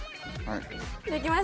はい。